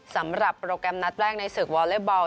สำหรับโปรแกรมนัดแรกในศึกวอเล็กบอล